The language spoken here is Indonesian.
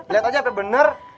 lihat aja apakah benar